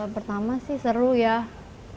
pertama sih seru ya